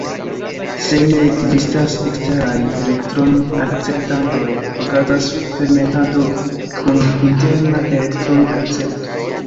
Se ne ekzistas eksteraj elektron-akceptantoj, okazas fermentado kun interna elektron-akcepto.